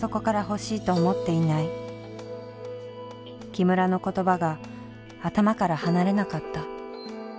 木村の言葉が頭から離れなかった。